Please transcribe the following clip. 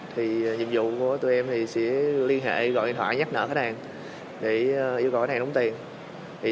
nhiệm vụ của tụi em là liên hệ gọi điện thoại nhắc nợ khách hàng yêu cầu khách hàng đóng tiền